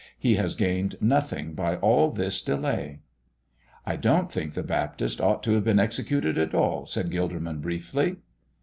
He has gained nothing by all this delay." "I don't think the Baptist ought to have been executed at all," said Gilderman, briefly.